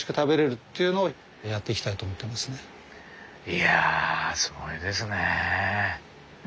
いやすごいですね。